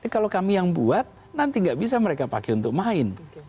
kalau kami yang buat nanti gak bisa mereka pakai untuk main